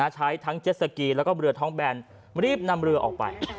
ใช้ทั้งเจ็ดสกีแล้วก็เรือท้องแบนรีบนำเรือออกไป